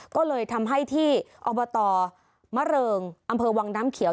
ก็เลยทำให้ที่อบตมะเริงอำเภอวังน้ำเขียว